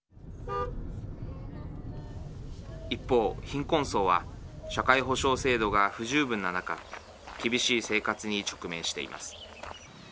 一方、貧困層は社会保障制度が不十分な中厳しい生活に直面しています。